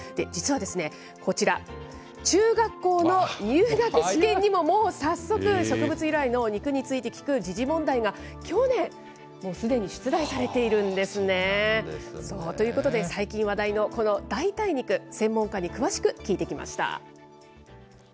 実は、こちら、中学校の入学試験にも、もう早速、植物由来の肉について聞く時事問題が去年、すでに出題されているんですね。ということで、最近話題のこの代替肉、専門家に詳しく聞いてきました。